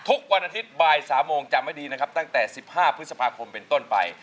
ทุกวันอาทิตย์บ่าย๓โมงจำให้ดีนะครับตั้งแต่๑๕พฤษภาคมเป็นต้นไป